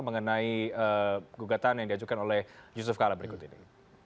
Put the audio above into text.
mengenai gugatan yang diajukan oleh yusuf kala berikut ini